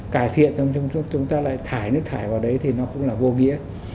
cải thiện chúng ta lại thải nước thải vào đấy thì nó cũng là vô nghĩa